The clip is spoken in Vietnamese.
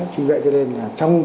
cho nên là